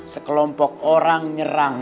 sekelompok orang nyerang